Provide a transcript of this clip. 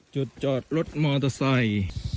จุดจอดรถมอเตอร์ไซต์